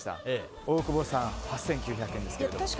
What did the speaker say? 大久保さん８９００円ですが。